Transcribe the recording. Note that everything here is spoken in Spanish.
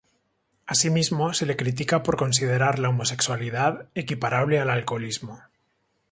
Asimismo se le critica por considerar la homosexualidad equiparable al alcoholismo.